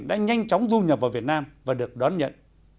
đã nhanh chóng du nhập vào việt nam và được đón nhận